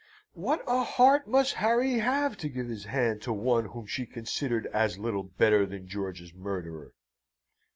What a heart must Harry have to give his hand to one whom she considered as little better than George's murderer!